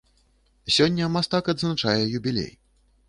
Сёння мастак адзначае юбілей.